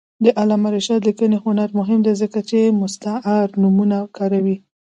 د علامه رشاد لیکنی هنر مهم دی ځکه چې مستعار نومونه کاروي.